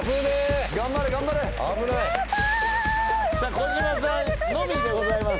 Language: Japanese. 児嶋さんのみでございます。